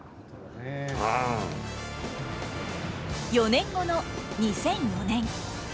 ４年後の２００４年。